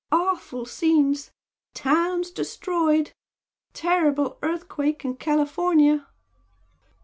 Awful scenes! Towns destroyed! Terrible Earthquake in California!"